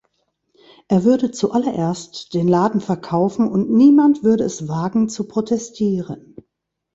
Er würde zuallererst den Laden verkaufen und niemand würde es wagen, zu protestieren.